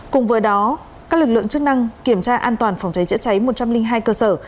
cùng với đó các lực lượng chức năng kiểm tra an toàn phòng cháy chữa cháy một trăm linh hai cơ sở